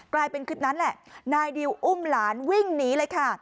กลายเป็นคลิปนั้นแหละนายดิวอุ้มหลานวิ่งหนีเลยค่ะ